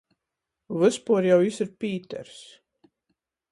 Vyspuor jau jis ir Pīters.